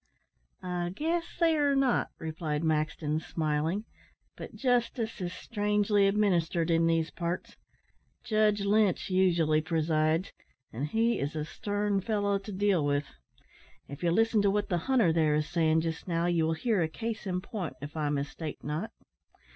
"I guess they are not," replied Maxton, smiling; "but justice is strangely administered in these parts. Judge Lynch usually presides, and he is a stern fellow to deal with. If you listen to what the hunter, there, is saying just now, you will hear a case in point, if I mistake not."